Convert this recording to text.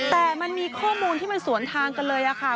แต่มันมีข้อมูลที่มันสวนทางกันเลยค่ะ